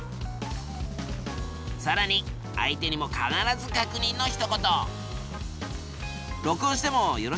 さらに相手にも必ず確認のひと言。